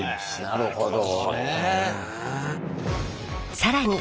なるほど。